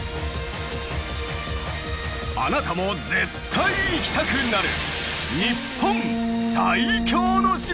あなたも絶対行きたくなる！